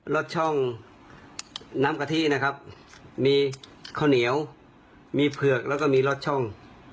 สช่องน้ำกะทินะครับมีข้าวเหนียวมีเผือกแล้วก็มีรสช่อง